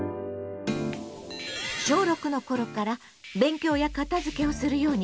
小６の頃から勉強や片づけをするように言うと。